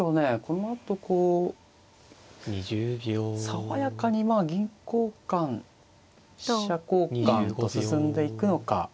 このあとこう爽やかに銀交換飛車交換と進んでいくのか。